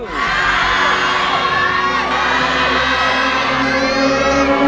ได้ครับ